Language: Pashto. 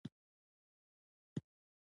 د بایسکل سیټ باید د مسافر لپاره مناسب وي.